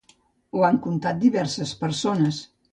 Ho han contat diverses persones.